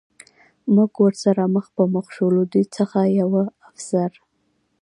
موږ ورسره مخ په مخ شو، له دوی څخه یوه افسر.